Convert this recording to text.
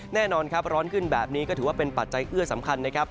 แน่นอนครับร้อนขึ้นแบบนี้ก็ถือว่าเป็นปัจจัยเอื้อสำคัญนะครับ